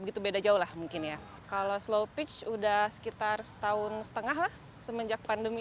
begitu beda jauh lah mungkin ya kalau slowpitch udah sekitar setahun setengah semenjak pandemi